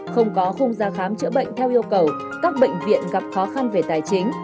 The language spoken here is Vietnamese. không có khung gia khám chữa bệnh theo yêu cầu các bệnh viện gặp khó khăn về tài chính